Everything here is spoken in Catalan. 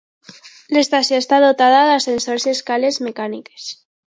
L'estació està dotada d'ascensors i escales mecàniques.